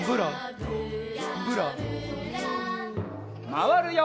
まわるよ。